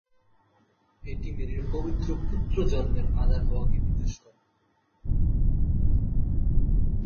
এটি মেরির পবিত্র পুত্র জন্মের আধার হওয়াকে নির্দেশ করে।